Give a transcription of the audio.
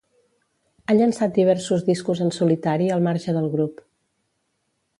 Ha llançat diversos discos en solitari al marge del grup.